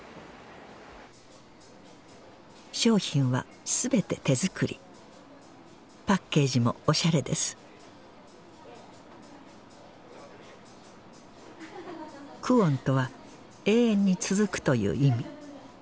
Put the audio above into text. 商品は全て手作りパッケージもおしゃれです久遠とは永遠に続くという意味